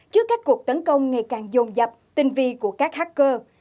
trước các cuộc tấn công ngày càng dồn dập tinh vi của các hacker